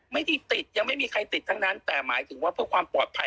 ไม่ได้ติดยังไม่มีใครติดทั้งนั้นแต่หมายถึงว่าเพื่อความปลอดภัย